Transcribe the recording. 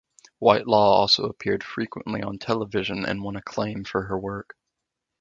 Whitelaw also appeared frequently on television and won acclaim for her work.